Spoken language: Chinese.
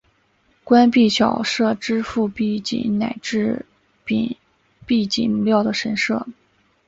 官币小社支付币帛乃至币帛料的神社。